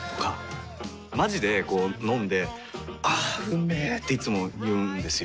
まじでこう飲んで「あーうんめ」っていつも言うんですよ。